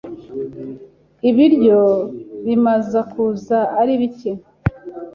Ibiryo bimaza kuza ari bicye